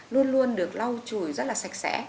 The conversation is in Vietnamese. luôn luôn được lau chùi rất là sạch sẽ